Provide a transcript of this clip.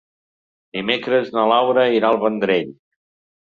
Dimecres na Laura irà al Vendrell.